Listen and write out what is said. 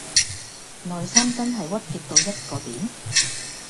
內心真係鬱結到一個點